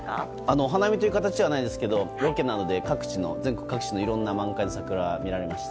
お花見という形ではないですけどもロケなどで全国各地の満開の桜が見られました。